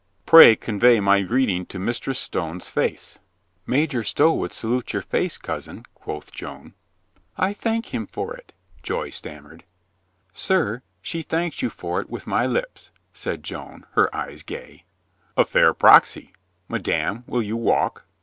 "Pray convey my greeting to Mistress Stone's face." "Major Stow would salute your face, cousin," quoth Joan. JOAN NORMANDY PLAYS PROXY 283 "I thank him for it," Joy stammered. "Sir, she thanks you for it with my lips," said Joan, her eyes gay. "A fair proxy. Madame, will you walk?"